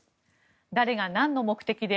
誰がなんの目的で。